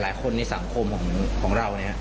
หลายคนในสังคมของเรา